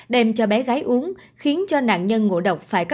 đem cho bé gái uống khiến cho nạn nhân ngộ độc phải cấp cấp